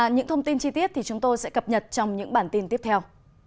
những thông tin chi tiết thì chúng tôi sẽ cập nhật trong những bản tin tiếp theo